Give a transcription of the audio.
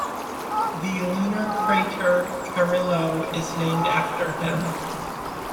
The lunar crater Carrillo is named after him.